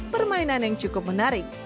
permainan yang cukup menarik